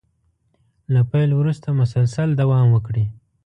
له پيل وروسته مسلسل دوام وکړي.